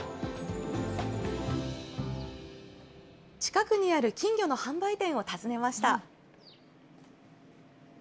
近くにある金魚の販売店を訪ねました。